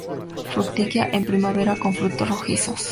Fructifica en primavera con frutos rojizos.